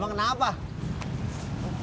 bang kan gue yang mau cerita